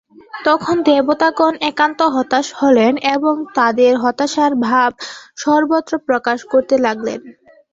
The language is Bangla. তখন দেবতাগণ একান্ত হতাশ হলেন এবং তাঁদের হাতাশার ভাব সর্বত্র প্রকাশ করতে লাগলেন।